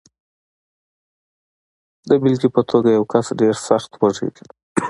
د بېلګې په توګه، یو کس ډېر سخت وږی دی.